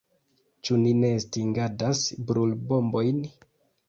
Ĉu ni ne estingadas brulbombojn?